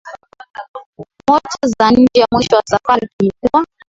motors za nje mwisho wa safari tulikuwa